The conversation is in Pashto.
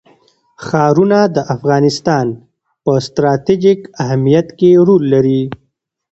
ښارونه د افغانستان په ستراتیژیک اهمیت کې رول لري.